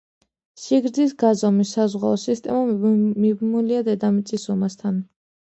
სიგრძის გაზომვის საზღვაო სისტემა მიბმულია დედამიწის ზომასთან.